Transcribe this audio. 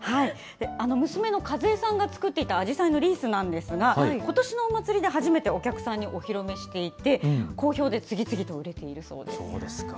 娘の和江さんが作っていたあじさいのリースなんですが、ことしのお祭りで初めてお客さんにお披露目していて、好評で、次々と売れているそうです。